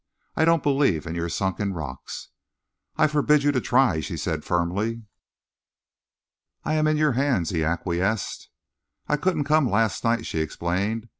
I don't believe in your sunken rocks." "I forbid you to try," she said firmly. "I am in your hands," he acquiesced. "I couldn't come last night," she explained.